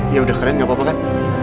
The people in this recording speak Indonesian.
ya udah keren nggak apa apa kan